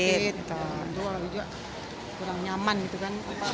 itu kurang nyaman gitu kan